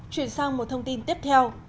chuyển sang một thông tin tiếp theo